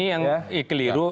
ini yang keliru